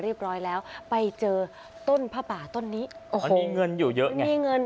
เรียบร้อยแล้วไปเจอต้นผ้าป่าต้นนี้โอ้โหมีเงินอยู่เยอะมีเงิน